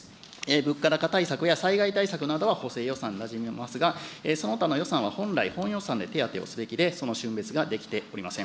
物価高対策や災害対策は補正予算になじみますが、そのほかの予算は、本来、本予算で手当をすべきで、そのしゅん別ができておりません。